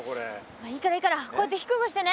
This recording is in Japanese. まあいいからいいからこうやって低くしてね。